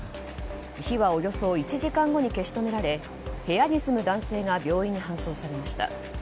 火はおよそ１時間後に消し止められ部屋に住む男性が病院に搬送されました。